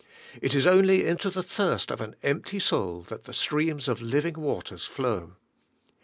It is only into the thirst of an empty soul that the streams of living waters flow.